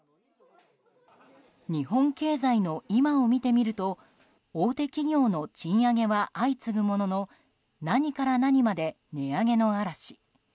日本経済の今を見てみると大手企業の賃上げは相次ぐものの何から何まで値上げの嵐。